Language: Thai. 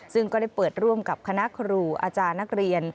ซึ่งก็ได้เปิดร่วมกับคณะครูอาจารย์นักเรียน